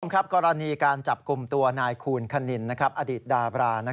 คุณผู้ชมครับกรณีการจับกลุ่มตัวนายคูณคณินอดีตดาบรา